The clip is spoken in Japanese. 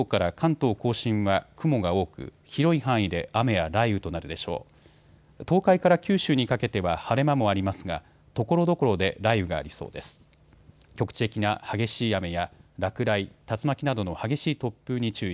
東海から九州にかけては晴れ間もありますがところどころで雷雨がありそうです。